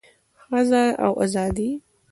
ښځه او ازادي